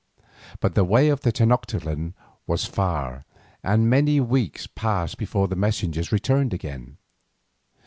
But the way to Tenoctitlan was far, and many weeks passed before the messengers returned again.